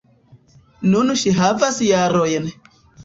Nun ŝi havas jarojn.